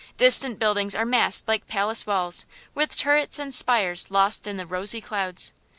Distant buildings are massed like palace walls, with turrets and spires lost in the rosy clouds.